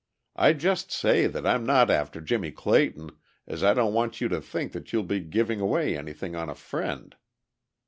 "I just say that I'm not after Jimmie Clayton as I don't want you to think that you'll be giving away anything on a friend.